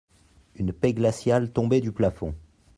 Une paix glaciale tombait du plafond.